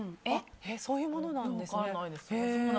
そういうものなんですね。